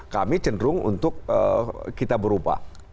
kami cenderung untuk kita berubah